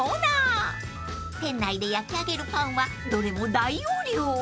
［店内で焼き上げるパンはどれも大容量］